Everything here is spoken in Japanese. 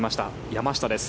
山下です。